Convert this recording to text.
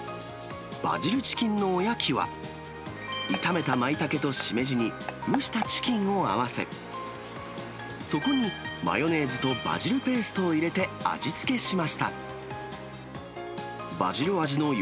バジルチキンのおやきは、炒めたまいたけとしめじに、蒸したチキンを合わせ、そこにマヨネーズとバジルペーストを入れて味付けしました。